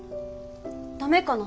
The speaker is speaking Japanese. ダメかな？